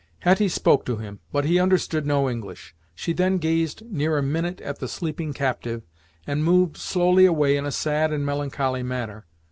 Hetty spoke to him, but he understood no English. She then gazed near a minute at the sleeping captive, and moved slowly away in a sad and melancholy manner.